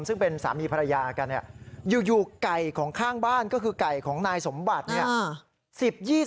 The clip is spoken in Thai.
ซึ่งเป็นสามีภรรยากันเนี่ยอยู่ไก่ของข้างบ้านก็คือไก่ของนายสมบัติเนี่ย